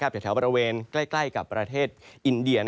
แถวบริเวณใกล้กับประเทศอินเดีย